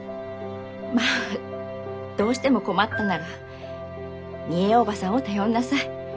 まあどうしても困ったならみえ叔母さんを頼んなさい。